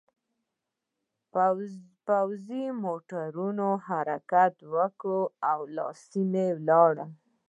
پوځي موټرونو حرکت وکړ او له سیمې لاړل